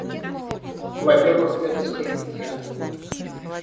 Во-первых, это скрыть нельзя.